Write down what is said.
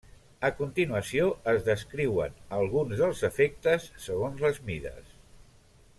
A continuació es descriuen alguns dels efectes segons les mides.